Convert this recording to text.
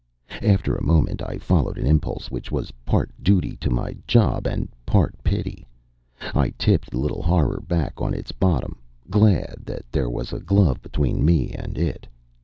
After a moment, I followed an impulse which was part duty to my job and part pity. I tipped the little horror back on its bottom, glad that there was a glove between me and it.